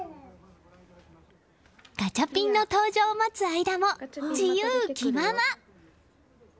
ガチャピンの登場を待つ間も自由気まま。